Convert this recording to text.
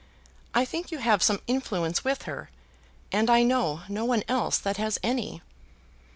I think you have some influence with her; and I know no one else that has any."